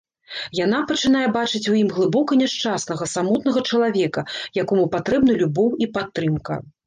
Яна пачынае бачыць у ім глыбока няшчаснага самотнага чалавека, якому патрэбны любоў і падтрымка.